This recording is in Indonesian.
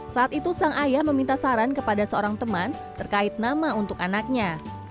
saat itu sang ayah meminta saran kepada seorang teman terkait nama untuk anaknya